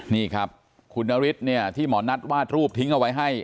นี่ครับคุณนฤทธิ์เนี่ยที่หมอนัทวาดรูปทิ้งเอาไว้ให้